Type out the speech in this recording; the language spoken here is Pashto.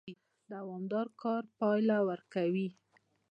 دوامدار کار پایله ورکوي